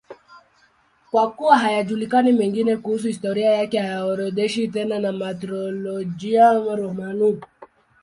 Kwa kuwa hayajulikani mengine kuhusu historia yake, haorodheshwi tena na Martyrologium Romanum.